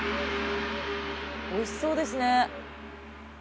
おいしそうですね。